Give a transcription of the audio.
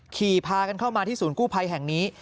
ขี่พากันเข้ามาที่ศูนย์กู้ภัยแห่งนี้